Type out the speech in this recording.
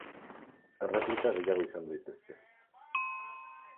Erreplika gehiago izan daitezke.